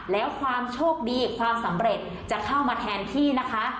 แล้วความโชคดีความสำเร็จจะเข้ามาแทนที่นะคะ